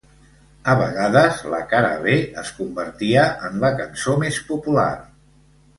A vegades, la cara B es convertia en la cançó més popular.